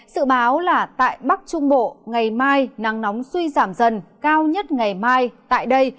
sự báo là tại bắc trung bộ ngày mai nắng nóng suy giảm dần cao nhất ngày mai tại đây